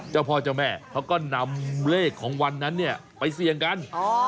เจ้าพ่อเจ้าแม่เขาก็นำเลขของวันนั้นเนี่ยไปเสี่ยงกัน